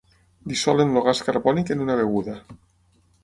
Dissolen el gas carbònic en una beguda.